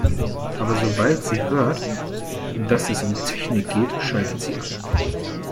Aber sobald sie hört, dass es um Technik geht, schaltet sie ab.